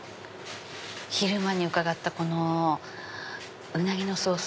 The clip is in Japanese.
昼間に伺ったこのウナギのソース。